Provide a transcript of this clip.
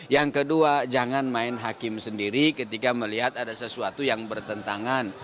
yang kedua jangan main hakim sendiri ketika melihat ada sesuatu yang bertentangan